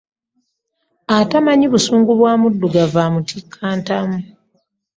Atamanyi busungu bwa muddugavu amutikka ntamu.